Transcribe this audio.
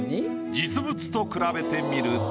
実物と比べてみると。